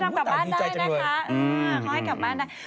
มดดำกลับบ้านได้นะคะ